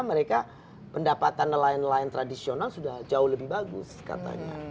mereka pendapatan nelayan nelayan tradisional sudah jauh lebih bagus katanya